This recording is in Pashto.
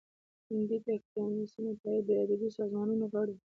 کانديد اکاډميسن عطايي د ادبي سازمانونو غړی و.